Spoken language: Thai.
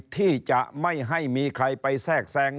ที่จะไม่ให้มีใครไปแทรกแทรง